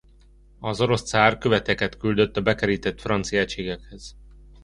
Az orosz cár követeket küldött a bekerített francia egységekhez.